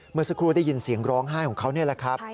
เมื่อสักครู่ได้ยินเสียงร้องไห้ของเขานี่แหละครับ